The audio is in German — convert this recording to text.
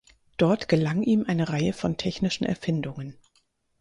Dort gelang ihm eine Reihe von technischen Erfindungen.